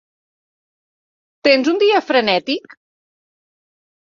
Tens un dia frenètic?